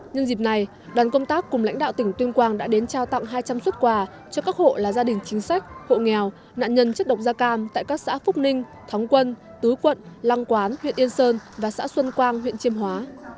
nhân dịp này đoàn công tác cùng lãnh đạo tỉnh tuyên quang đã đến trao tặng hai trăm linh xuất quà cho các hộ là gia đình chính sách hộ nghèo nạn nhân chất độc da cam tại các xã phúc ninh thắng quân tứ quận lăng quán huyện yên sơn và xã xuân quang huyện chiêm hóa